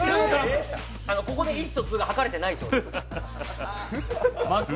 ここで意思疎通が図れてないそうです。